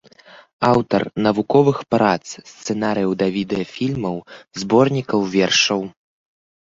Аўтар навуковых прац, сцэнарыяў да відэафільмаў, зборнікаў вершаў.